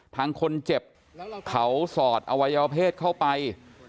ทางคนเจ็บเขาสอดอวัยวเพศเข้าไป